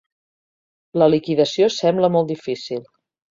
La liquidació sembla molt difícil.